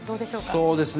そうですね。